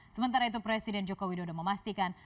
sementara itu presiden joko widodo memastikan